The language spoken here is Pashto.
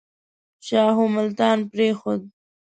شاهو ملتان پرېښود.